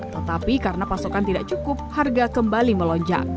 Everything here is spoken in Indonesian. tetapi karena pasokan tidak cukup harga kembali melonjak